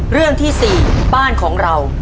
เรื่องที่๔บ้านของเรา